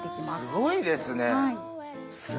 すごいですね。